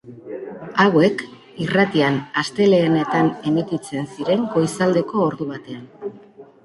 Hauek irratian astelehenetan emititzen ziren goizaldeko ordu batean.